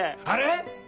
あれ？